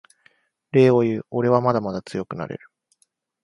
礼を言うおれはまだまだ強くなれる